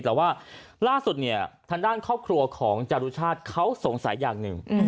แต่ว่าล่าสุดเนี่ยทางด้านครอบครัวของจารุชาติเขาสงสัยอย่างหนึ่ง